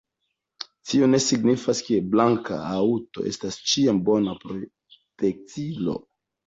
Tio ne signifas, ke blanka haŭto estas ĉiam bona protektilo.